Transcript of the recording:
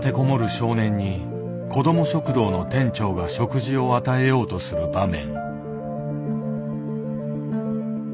少年に子ども食堂の店長が食事を与えようとする場面。